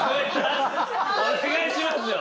お願いしますよ。